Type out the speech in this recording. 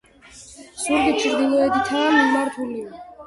ზურგი ჩრდილოეთითაა მიმართული.